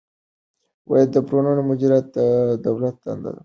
د پورونو مدیریت د دولت دنده ده.